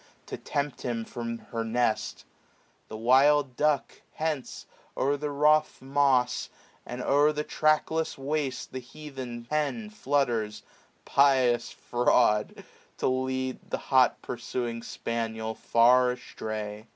To tempt him from her nest. The wild duck, hence, 0*er the rough moss, and o*er the trackless waste 696 The heath hen flutters, pious fraud ! to lead The hot pursuing spaniel far astray.